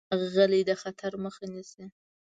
غلی، د خطر مخه نیسي.